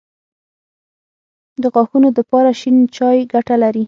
د غاښونو دپاره شين چای ګټه لري